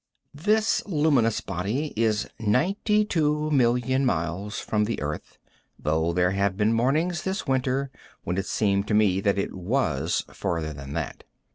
This luminous body is 92,000,000 miles from the earth, though there have been mornings this winter when it seemed to me that it was further than that.